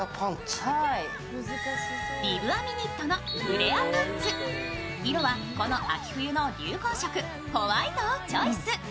リブ編みニットのフレアパンツ、色はこの秋冬の流行色、ホワイトをチョイス。